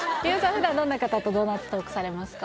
普段どんな方とドーナツトークされますか？